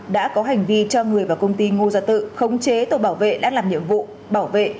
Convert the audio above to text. đã có hành vi cho người vào công ty ngô gia tự khống chế tổ bảo vệ đã làm nhiệm vụ bảo vệ